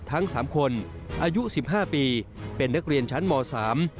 ทั้งสามคนอายุสิบห้าปีเป็นนักเรียนชั้นมสาม